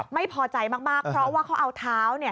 ไม่พอใจมากเพราะว่าเขาเอาเท้าเนี่ย